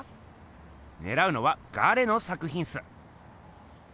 ねらうのは「ガレ」の作ひんっす。